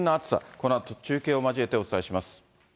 このあと中継を交えてお伝えします。